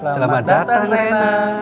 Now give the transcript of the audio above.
selamat datang rena